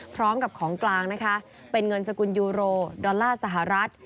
พร้อมกับของกลางนะคะเป็นเงินสกุลยูโรดอลลาร์สหรัฐ